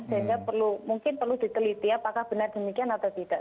sehingga mungkin perlu diteliti apakah benar demikian atau tidak